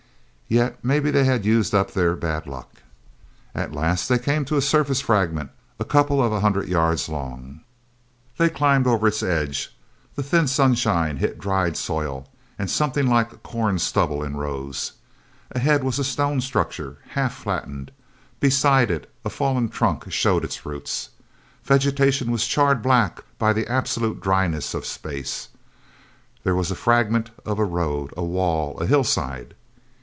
Yet maybe they had used up their bad luck. At last they came to a surface fragment a couple of hundred yards long. They climbed over its edge. The thin sunshine hit dried soil, and something like corn stubble in rows. Ahead was a solid stone structure, half flattened. Beside it a fallen trunk showed its roots. Vegetation was charred black by the absolute dryness of space. There was a fragment of a road, a wall, a hillside.